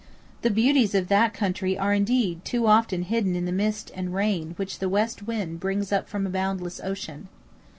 The beauties of that country are indeed too often hidden in the mist and rain which the west wind brings up from a boundless ocean.